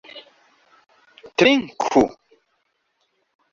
trinku